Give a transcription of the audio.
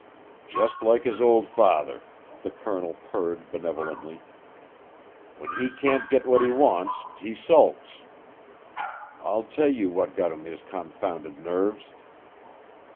"Just like his old father," the Colonel purred benevolently. "When he can't get what he wants, he sulks. I'll tell you what got on his confounded nerves.